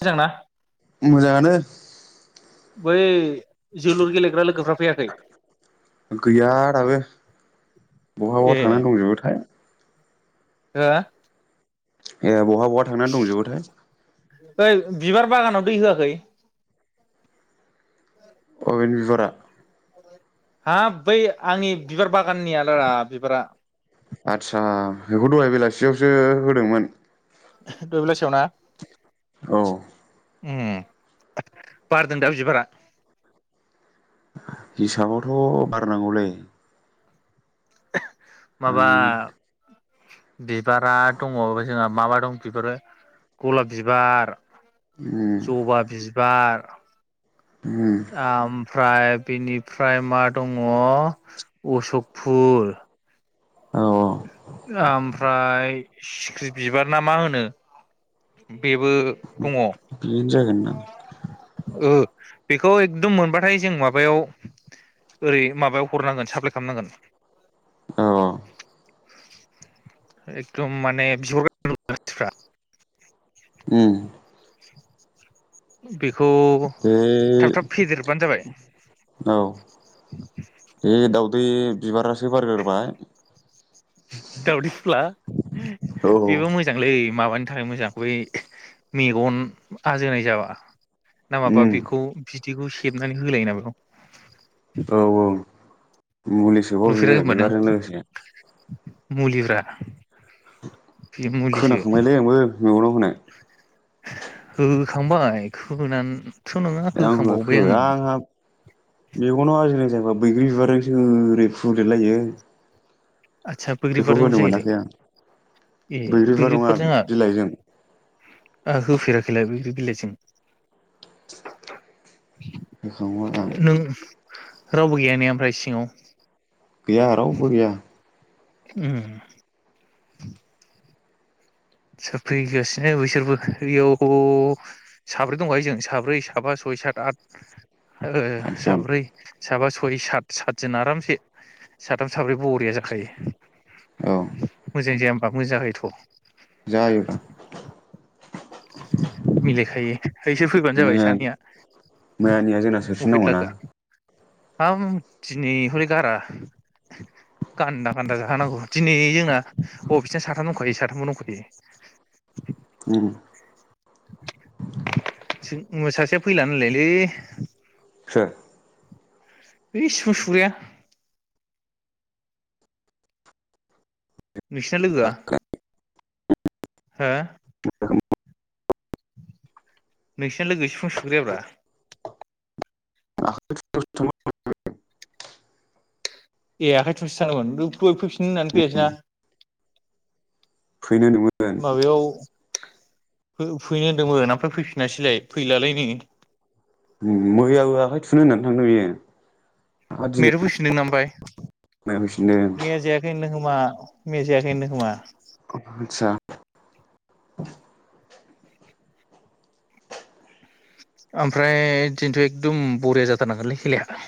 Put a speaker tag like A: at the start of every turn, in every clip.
A: मोजांना
B: मोजाङानो
A: बै जोलुर गेलेग्रा लोगोफ्रा फैयाखै?
B: गैया दाबो। बहा
A: ए
B: बहा थांनानै दंजोबोथाय।
A: हो
B: ए बहा बहा थांनानै दंजोबोथाय।
A: ओइ बिबार बागानाव दै होआखै?
B: अबिनि बिबारा?
A: हाब बै आंनि बिबार बागाननिया रा बिबारा?
B: आदसा बेखौ दहाय बेलासियावसो होदोंमोन।
A: दहाय बेलासेयावना?
B: औ
A: उम बारदों दा बिबारा?
B: हिसाबावथ' बारनांगौलै।
A: [inaudible]
B: आं
A: माबा बिबारा दङ जोंहा माबा दं बिफोरो गलाब बिबार
B: उम
A: जबा बिबार [inaudible]
B: उम
A: आ ओमफ्राय बेनिफ्राय मा दङ अशकफूल
B: औ औ
A: ओमफ्राय सिख्रि बिबार ना मा होनो बे बो दङ ओ
B: बिदिनो जागोन दां
A: बेखौ एकदम मोनबाथाय जों माबायाव ओरै माबायाव हरनांगोन साप्लाय खामनांगोन।
B: औ औ
A: एकदम माने बिहर [unintelligible] मानसिफ्रा।
B: उम
A: बेखौ
B: बे
A: थाब थाब फेदेरबानो जाबाय
B: बै बिबारासो बारग्रोबाय
A: दावदै फुला
B: औ
A: बेबो मोजांलै माबा नि थाखाय मोजां बै मेगन आजोनाय जाबा। ना माबा
B: उम
A: बेखौ बि दिखौ सेबनानै होलाय ना बेखौ
B: औ औ मुलि सोबाव
A: नुफेराखै
B: बियो बिबारजों लोगोसे।
A: मुलि ब्रा।
B: खोनाखांबायलै आंबो मेगनाव होनाय।
A: होखांबाय खोना
B: आं होआखो आंहा मेगनाव आजिनाय जायोबा बैग्रि बिबारजोंसो ओरै फुदेरलायो।
A: आदसा
B: बेखौ
A: बैग्रिबारजों
B: होनो मोनाखै आं
A: जायोलाय ए
B: बैग्रि बिबार नङा
A: बैग्रिफोरजों
B: बिलाइजों
A: आं होफेराखैलाय बैग्रि बिलाइजों।
B: होखांबाय आं।
A: नों रावबो गैया नेया ओमफ्राय सिङाव
B: गैया रावबो गैया।
A: उम। सोर फैगासिनो बैसोरबो ओययाव साब्रै दंखायो जों साब्रै साबा सय सात आथ। आरो
B: आदजन
A: साब्रै साबा सय सय सात सातजन आरामसे साथाम साब्रै बरिया जाखायो
B: औ
A: मोजां जाया मा मोजाङैथ।
B: जायोब्रा।
A: मिलायखायो इसोर फैबानो जाबाय
B: मैया
A: सानैया
B: मैयानिया जोंना
A: मफिट
B: सोफिननांगौना
A: लाखोआ आं दिनै हय गारा गान्दा गान्दा जाखानांगौ दिनै जोंना बबेस साथाम दंखायो साथामबो दंखायो।
B: उम।
A: उ सासेया फैला नोलायलै।
B: सोर?
A: बे सिफुं सुग्राया। नोंसिरना लोगोआ। हो।
B: [unintelligible]
A: नोंसिना लोगो सिफुं सुग्रायाब्रा।
B: [unintelligible]
A: ए आखाय थुमसो थांगोमोन दहय फैफिनगोन होननानै फैयासै ना।
B: फैनो होनदोंमोन।
A: फैनो होनदोंमोन ओमफ्राय फैफिनासैलाय फैलालाय नै।
B: उम मैयाबो आखाय थुनो होननानै थांदों बेयो।
A: मेयाथ फैफिनदोंना ओमफ्राय?
B: मैया फैफिनदों।
A: मा मिया जायाखैनो खोमा।
B: आदसा
A: ओमफ्राय दिनैथ एखकदम बरिया जाथारनांगोनलै खेलाया।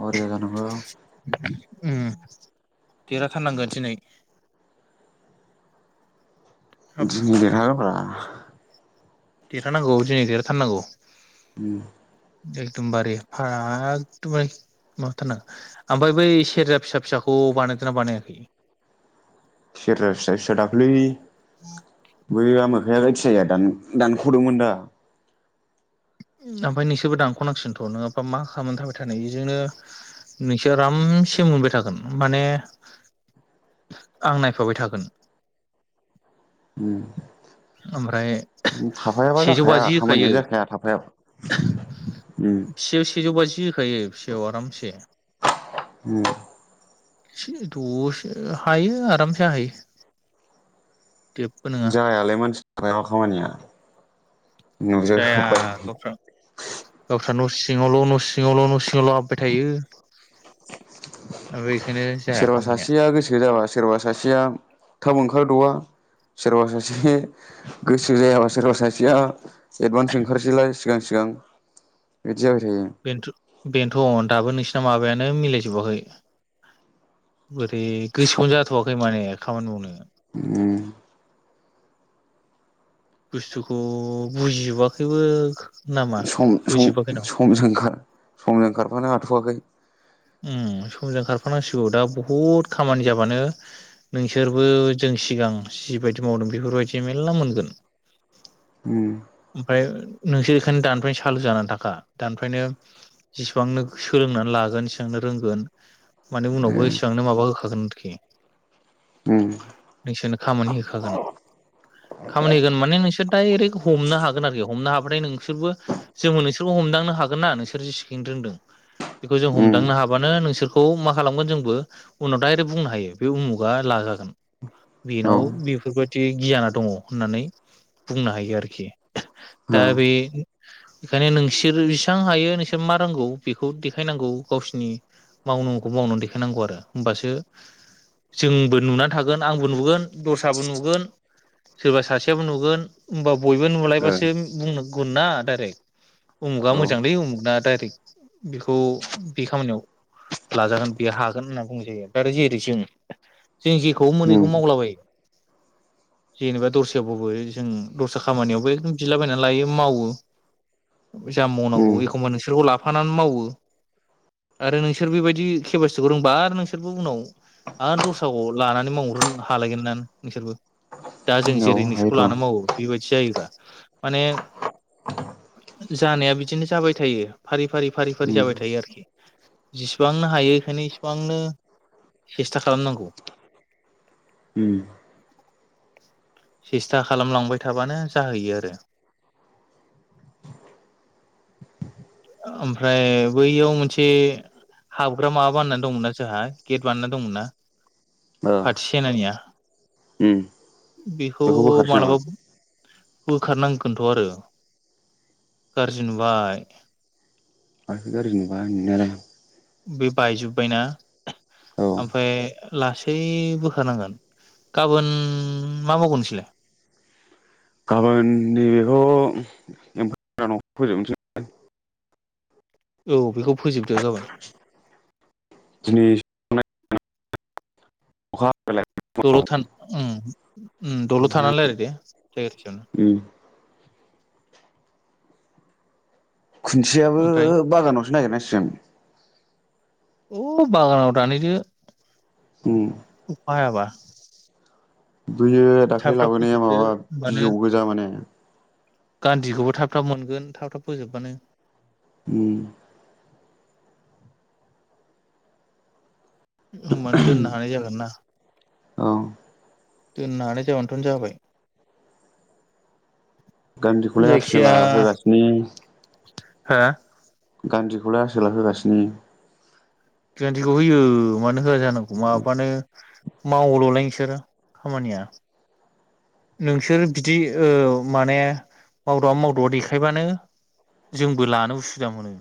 B: बरिया जानांगौ।
A: उम देरहाथारनांगोन दिनै। हाब
B: दिनै देरहागोनब्रा।
A: देरहानांगौ दिनै देरहाथारनांगौ।
B: उम।
A: एखदमबारे फार एकदमबारे माबाथारनांगौ। ओमफ्राय बै सेरजा फिसा फिसाखौ बानायदोंना बानायाखै?
B: सेरजा फिसा फिसा दाख्लै बै आमो बे ओथियाया दान-दानख'दोंमोन दा।
A: ओमफ्राय नोंसोरबो दानख'नांसिगोनथ नङाबा मा खालामनानै थाबाय थानो एजोंनो नोंसोर आरामसे मोनबाय थागोन माने आं नायफाबाय थागोन।
B: उम।
A: ओमफ्राय
B: थाफायाबा
A: सेजौ
B: जाखाया
A: बाजि
B: खामानियानो
A: होखायो।
B: जाखाया थाफायाबा उम
A: फिसायाव सेजौ बाजि हो खायो फिसायाव आरामसे।
B: उम।
A: दसेनो हायो आरामसे हायो। जेबो नङा
B: जायालाय मानसि गायाव खामानिया नजा खोब्बाय
A: सा न' सिङावल न' सिङाल न' सिङावल हाब्बाय थायो ओमफ्राय बेखायनो जाया
B: सोरबा
A: खामानिया
B: सासेया गोसो जाबा सोरबा सासे सेया थाब ओंखारदवा सोरबा सासे गोसो जायाबा सोरबा सासेया एडभान्स ओंखारसैलाय सिगां सिगां। [unintelligible]
A: बेन्थो बेन्थ दाबो नोंसि माबायानो मिलायजोबाखै बोर यै गोसोखौनो जाथवाखै माने। खामानि मावनो
B: उम।
A: बुस्थुखौ बुजिजोबाखैबो नामा
B: सम सम
A: बुजिजोबाखै र'
B: समजों खार समजों खारफानो हाथवाखै।
A: उम समजों खारफानांसिगौ दा बहुद खामानि जाबानो नोंसोरबो जों सिगां जिबायदि मावदों बेफोरबायदि मेल्ला मोनगोन।
B: उम
A: ओमफाय नोंसोर बेखायनो दानिफ्रायनो सालु जानानै थाखा दानिफ्रायनो जेसिबांनो सोलोंनानै लागोन एस सांनो रोंगोन माने
B: ए
A: उनावबो इसेबांनो माबा होखागोन आरोखि।
B: उम
A: नोंसोरनो खामानि होखागोन खामानि होगोन माने नोंसोर दाइरेक हमनो हागोन आरोखि हमनो हाबथाय नोंसोरबो जोङो नोंसोरबो हमदांनो हागोन ना नोंसोर जेसिखिनि रोंदों बेखौ जों हम
B: उम
A: दांनो हाबानो नोंसोरखौ मा खालामगोन जोंबो उनाव डाइरेक्ट बुंनो हायो बे उमुगा लाजागोन।
B: औ
A: बेनाव बेफोरबादि गियाना दङ होननानै बुंनो हायो आरोखि। दा
B: औ
A: बे खायनो नोंसोर जिसां हायो नोंसोर मा रोंगौ बेखौ देखायनांगौ गावसिनि मावनांगौखौ मावनानै देखायनांगौ आरो होमबासो जोंबो नुना थागोन आंबो नुगोन दस्राबो नुगोन सोरबा सासेयाबो नुगोन होमब बयबो नुलायबासो
B: ओ
A: बुंन गोनना दाइरेक्ट उमुगा
B: औ
A: मोजांलै उमुगना दाइरेक्ट बेखौ बे खामानियाव लाजागोन बे हागोन होनना बुं जायो दा जेरै जों जों जेखौ मोनो
B: उम
A: बेखौनो मावलाबायो। जेनेबा दस्रायावबाबो जों दस्रा खामानियावबो एकदम बिलाबायनानै लायो मावो जा मावनांगौ
B: उम
A: एखमबा नोंसोरखौ लाफानानै मावो। आरो नोंसोर बेबायदि केपासिटिखौ रोंबा आरो नोंसोरबो उनाव आरो दस्राखौ लानानै मावनो रों हालायगोन ना नोंसोरबो दा जों
B: औ
A: जेरै नोंसोरखौ
B: हायोथ'
A: लाना मावो बेबायदि जायोब्रा माने जानाया बिदिनो जाबाय थायो फारि फारि फारि फारि
B: उम
A: जाबाय थायो आरोखि। जेसेबांनो हायो बेखायनो इसेबांनो सेस्था खालामनांगौ।
B: उम
A: सेस्था खालामलांबाय थाबानो जाहैयो आरो ओमफ्राय बैयाव मोनसे हाबग्रा माबा बानायना दंमोनना जोंहा गेट बानायना दंमोनना?
B: ओ
A: फाथि सेनानिया
B: उम
A: बे
B: [unintelligible] नामा
A: बोखारनांगोनथ आरो गाज्रि नुबाय।
B: [unintelligible] गाज्रि नुबाय नुनायालाय।
A: बे बायजोब्बायना
B: औ
A: ओमफ्राय लासै बोखारनांगोन गाबोन मा मावगोन नोंसोरलाय?
B: गाबोन नै बेखौ [unintelligible] फोजोबनोसै
A: औ बेखौ फोजोबदो गाबोन।
B: दिनै अखा हालाय
A: दलद था उम उम दलद थानानानै
B: उम
A: रायलाय दे जायगाथसेयावनो।
B: खुन्थियाबो
A: ओमफ्राय
B: बागानावसो नागिरनांसि [unintelligible]
A: औ बागानाव दानहैदो।
B: उम
A: खा हायाबा
B: बैयो दाख्लै लाबोनाया माबा बिजौ गोजा माने
A: गान्धिखौबो थाब थाब मोनगोन थाब थाब फोजोबबानो।
B: उम
A: होमबानो दोननो हानाय जागोन ना।
B: औ
A: दोननानै [unintelligible] जाबाय
B: गान्धिखौलाय
A: जायखिया
B: आसोला होगासिनो।
A: हो।
B: गान्धिखौलाय आसोला होगासिनो‌।
A: बिदिखौ होयो। मानो होआ जानांगौ माबानो मावललाय नों सोरो खामानिया नोंसोर बिदि माने मावदावा मावदावा देखायबानो जोंबो लानो उसुबिदा मोनो।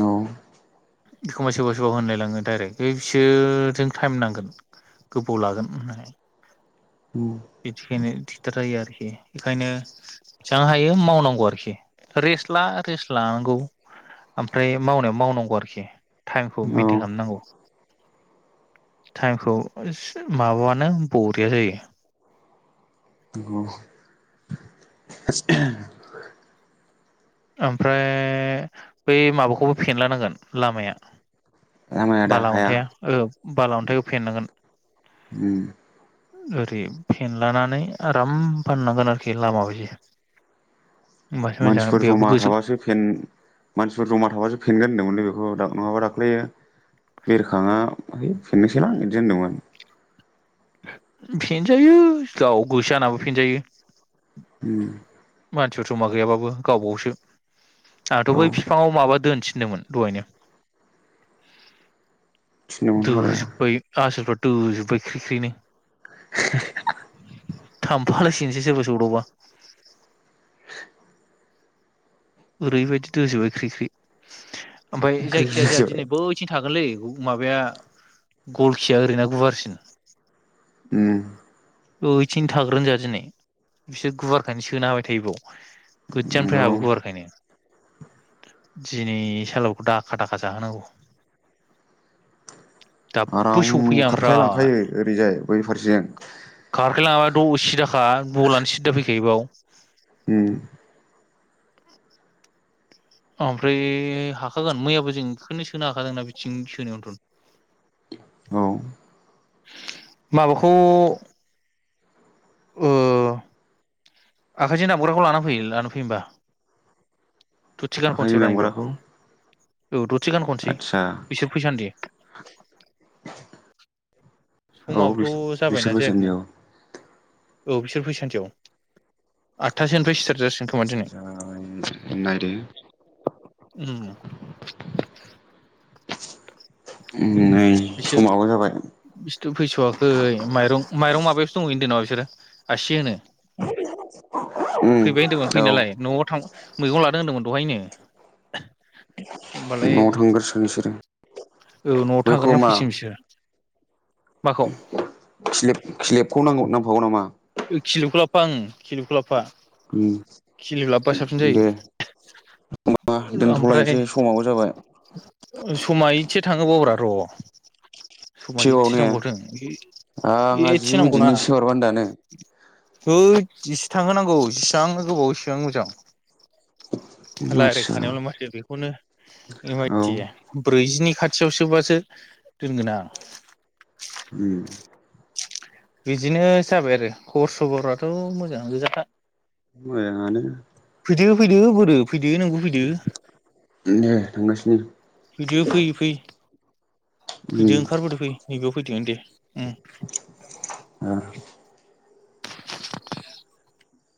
B: औ।
A: एखमबा सोरबा सोरबा होनलायलाङो डाइरेक्ट बिसोरजों टाइम नांगोन गोबाव लागोन होननानै। बेदिखायनो। खोथा गैया आरोखि ओंखायनो बेनो हायो मावनांगौ आरोखि रेस्ट ला रेस्ट लानांगौ ओमफ्राय मावनायाव मावनांगौ आरोखि। टाइमखौ
B: औ
A: मेइनटेन खालामनांगौ टाइमखौ एसे माबानो बरिया जायो।
B: औ [inaudible]
A: ओमफाय बै माबाखौ फेनला नांगोन लामाया।
B: आमाइ आदा
A: बाला
B: हाया
A: अन्थाया औ। बाला अन्थाइखौ फेननांगोन
B: उम
A: ओरै फेनलानानै आराम फाननांगोन आरोखि लामा बायदि। मास मोजां
B: मानसिफोर जमा
A: बेयावबो। गोजौ
B: थाबासो फेन मानसिफोर जमा थाबासो फेगोन। होनदोंमोनलै बेखौ दा नङाबा दाख्लैयो बेरखाङा है फिननोसैलां बिदि होनदोंमोन।
A: फेनजायो गाव गोसोजाना फेनजायो।
B: उम।
A: मानसिफोर जमा गैयाबाबो गावबावसो। आंहाथ
B: औ
A: बै बिफाङाव माबा दोनोसै। फिदोंमोन दहायनो।
B: थिनदोंमोनथ'
A: दोजोबबाय आसोल दोजोब्बाय ख्रिख्रिनो थांफालायसिन गोनसो जोङो सौग्रावबा। ओरैबायदि दोजोबबाय ख्रि ख्रि। ओमफ्राय
B: आरो ख्रि
A: जायखिजाया
B: ख्रि
A: जोंहा
B: जाबाय
A: दिनै बैथिं थागोनलै। माबाया गल खिया ओरैना गुवारसिन।
B: ओम।
A: ओैथिंनो थाग्रोन जाहा दिनै बिसोर गुवारखायनो सोनो हाबाय थायो बाव। गोजाननिफ्रायनो
B: नंगौ
A: हाबो गुवारखायनो। दिनै सालबखौ दाखा दाखा जाहोनांगौ। दाबो
B: आराम
A: सौफैया
B: खारख्लाय
A: ओमफ्राय
B: लांखायो ओरैजाय। बैफोरजों।
A: खारख्लाय लाङाबा द उसिद खा बलआनो सिदा फैखायो बाव।
B: उम
A: ओमफ्राय हाखागोन मैयाबो जों बेखौनो सोनो हाखादोंना बिथिं सोनायावथ'
B: औ
A: माबाखौ ओ आखायजों दामग्राखौ लाना फै लाना फैयो बा। दसे
B: आखाइजों
A: गान
B: दामग्राखौ
A: [unintelligible] औथ' दसे गान खनसै
B: आदसा
A: बिसोर फैसानदि।
B: औ बिस-बिसोर बैसानिआव
A: औ बिसोर फैसान्दियाव आटथासोनिफ्राय स्टार्ट जासिग खोमा दिनै
B: नायदो
A: उम
B: [inaudible] नै
A: बिसोर
B: समाबो जाबाय
A: बिसोथ' फैथ'वाखै माइरं माइरं माबायावस दंहै होन्दो नामा बिसोरो आसि होनो
B: [unintelligible] उम
A: फैबाय होन्दोंमोन
B: औ
A: फैनायालाय न'आव थां मैगं लादों होनदोंमोन दहायनो। होमबालाय
B: न' थांगासिगोन बिसोरो।
A: औ न'आव थांग्रोना फैसिगोन बिसोरो। माखौ
B: खिलिब खिलिबखौ नांगौ नां गौ नामा?
A: ओम खिलिबखौ लाबफा ओम खिलिबखौ लाबफा
B: ओम दे
A: जायो
B: ना
A: ओमफ्राय
B: दोनथ'लायनोसै समाबो जाबाय।
A: समा एसे थांहोबावब्रा र'
B: [unintelligible]
A: समा एसे
B: नो
A: थांबावथों
B: आंहा जि मिनिटनि इसे बारबानो दानो [unintelligible]
A: होद इसे थांहोनांगौ जसेबांनो गोबाव इसेबां मोजां।
B: आदसा
A: लायरायखानायावलाय माथो बेखौनो
B: औ
A: [unintelligible] ब्रैजि नि खाथियाव सोबासो दोनगोना
B: उम
A: बिदिनो जाबाय आरो खबर सबराथ' मोजाङानो गोजाखा
B: मोजाङानो
A: दो फैदो बोरो फैदो नोंबो फैदो
B: दे थांगासिनो
A: फैदो फै फै
B: उम
A: फैदो ओंखारबोदो फै नैबेयाव फैदो दे उम
B: आ
A: [inaudible]